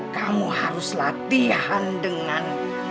kamu harus latihan dengan